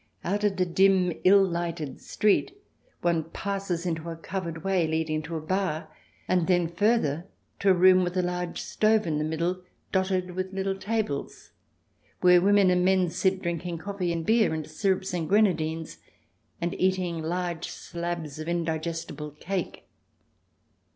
Out of the dim, ill lighted street one passes into a covered way leading to a bar, and then further to a room, with a large stove in the middle, dotted with little tables where women and men sit drinking coffee, and beer, and syrups and grenadines, and eating large slabs of indigestible cake.